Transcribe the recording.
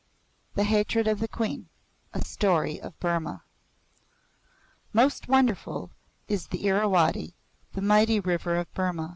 THE HATRED OF THE QUEEN A Story of Burma Most wonderful is the Irawadi, the mighty river of Burma.